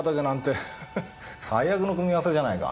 最悪の組み合わせじゃないか。